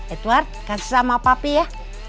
edward kasih sama papi ya